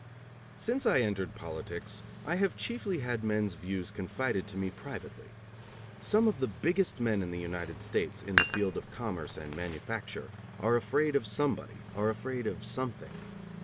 Since I entered politics, I have chiefly had men's views confided to me privately. Some of the biggest men in the United States, in the field of commerce and manufacture, are afraid of somebody, are afraid of something.